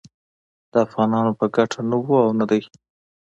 د افغانانو په ګټه نه و او نه دی